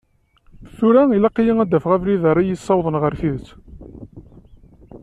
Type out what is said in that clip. Tura, ilaq-iyi a d-afeɣ abrid ara yi-ssiwḍen ɣer tidet.